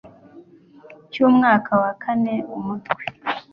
cy'umwaka wa kane Umutwe